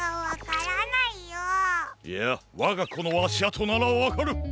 いやわがこのあしあとならわかる！